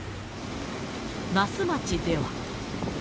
那須町では。